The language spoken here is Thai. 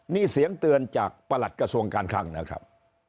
นี่เสียงเตือนจากประหลัดกระทรวงการคลังนะครับ